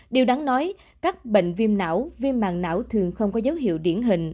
điều đáng nói các bệnh viêm não viêm màng não thường không có dấu hiệu điển hình